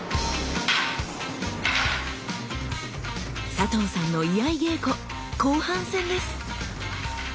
佐藤さんの居合稽古後半戦です。